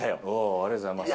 ありがとうございます。